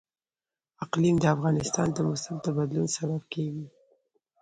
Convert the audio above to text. اقلیم د افغانستان د موسم د بدلون سبب کېږي.